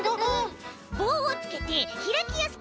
ぼうをつけてひらきやすくしたんだ。